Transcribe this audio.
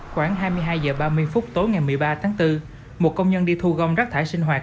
khoảng hai mươi hai h ba mươi phút tối ngày một mươi ba tháng bốn một công nhân đi thu gom rác thải sinh hoạt